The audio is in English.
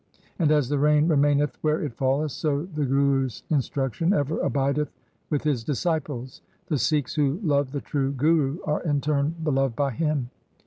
And as the rain remaineth where it falleth, so the Guru's instruction ever abideth with his disciples. The Sikhs who love the true Guru are in turn beloved by him.